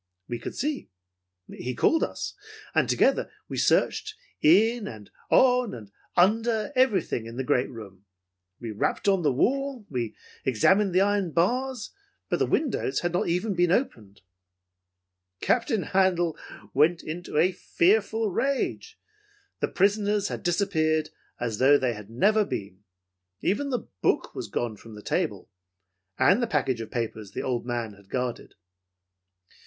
We could see. He called us, and together we searched in and on and under everything in the great room. We rapped on the wall. We examined the iron bars, but the windows had not even been opened. "Captain Handel went into a fearful rage. The prisoners had disappeared as though they had never been. Even the book was gone from the table, and the package of papers the old man had guarded.